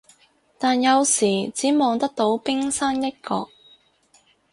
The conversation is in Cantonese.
但有時只望得到冰山一角